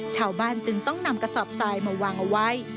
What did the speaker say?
ชาวบ้านจึงต้องนำกระสอบทรายมาวางเอาไว้